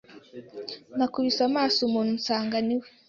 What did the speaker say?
nakubise amaso umuntu nsanga niwe